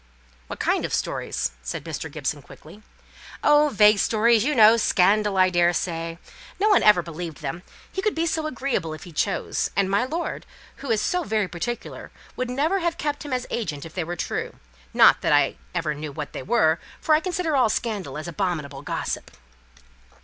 "What kind of stories?" said Mr. Gibson, quickly. "Oh, vague stories, you know: scandal, I daresay. No one ever believed them. He could be so agreeable if he chose; and my lord, who is so very particular, would never have kept him as agent if they were true; not that I ever knew what they were, for I consider all scandal as abominable gossip."